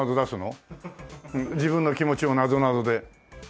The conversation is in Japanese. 自分の気持ちをなぞなぞで。